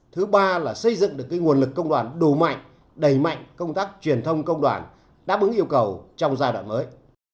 thứ ba là xây dựng được nguồn lực công đoàn đủ mạnh đầy mạnh công tác truyền thông công đoàn đáp ứng yêu cầu trong giai đoạn mới